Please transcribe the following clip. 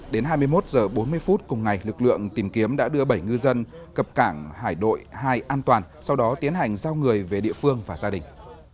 đến hai mươi một h bốn mươi phút cùng ngày lực lượng tìm kiếm đã đưa bảy ngư dân cập cảng hải đội hai an toàn sau đó tiến hành giao người về địa phương và gia đình